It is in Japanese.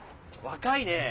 若いねえ。